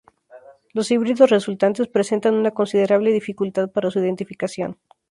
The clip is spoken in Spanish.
Los híbridos resultantes presentan una considerable dificultad para su identificación.